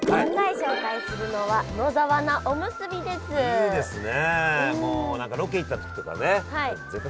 いいですね。